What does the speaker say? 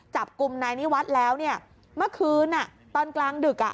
จับกลุ่มนายนิวัฒน์แล้วเนี่ยเมื่อคืนอ่ะตอนกลางดึกอ่ะ